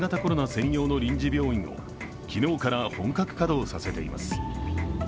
専用の臨時病院を昨日から本格稼働させています。